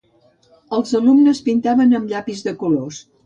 Els alumnes pintaven amb llapis de colors.